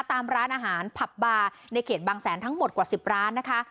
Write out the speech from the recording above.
ตามร้านอาหารผับบาร์ในเขตบางแสนทั้งหมดกว่า๑๐ร้านนะคะ